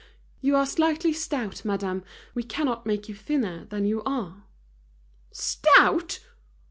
"You are slightly stout, madame. We cannot make you thinner than you are." "Stout!